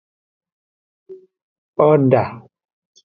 Poda.